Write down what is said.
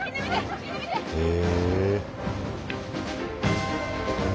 へえ。